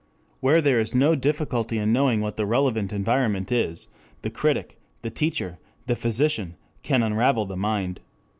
Where there is no difficulty in knowing what the relevant environment is, the critic, the teacher, the physician, can unravel the mind.